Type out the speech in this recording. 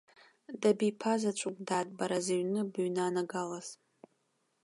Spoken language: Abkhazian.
Дабиԥазаҵәуп, дад, бара зыҩны быҩнанагалаз.